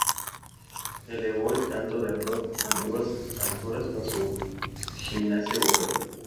Elevó el canto de rock a nuevas alturas con su gimnasia vocal.